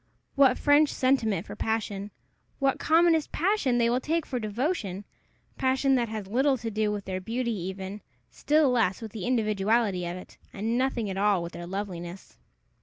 what French sentiment for passion! what commonest passion they will take for devotion! passion that has little to do with their beauty even, still less with the individuality of it, and nothing at all with their loveliness!